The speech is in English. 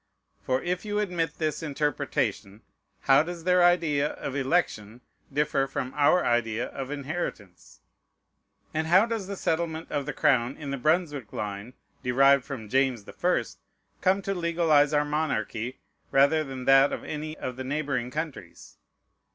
For, if you admit this interpretation, how does their idea of election differ from our idea of inheritance? And how does the settlement of the crown in the Brunswick line, derived from James the First, come to legalize our monarchy rather than that of any of the neighboring countries?